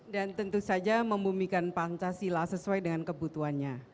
dan tentu saja membumikan pancasila sesuai dengan kebutuhannya